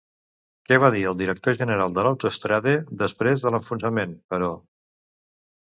Què va dir el director general d'Autostrade després de l'enfonsament, però?